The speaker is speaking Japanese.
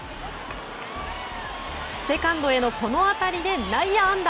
セカンドへのこの当たりで内野安打。